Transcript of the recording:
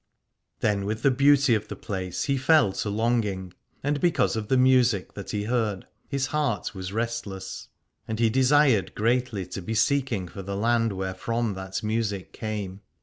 Then with the beauty of the place he fell to longing, and because of the music that he heard his heart was restless : and he desired greatly to be seeking for the land wherefrom that music came.